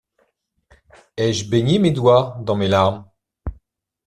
Ai-je baigné mes doigts dans mes larmes!